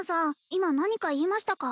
今何か言いましたか？